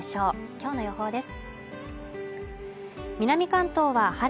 今日の予報です。